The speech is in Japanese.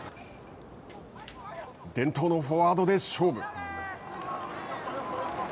伝統のフォワードで勝負。